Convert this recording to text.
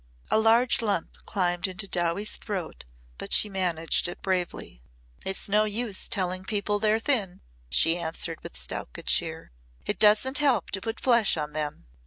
A large lump climbed into Dowie's throat but she managed it bravely. "It's no use telling people they're thin," she answered with stout good cheer. "It doesn't help to put flesh on them.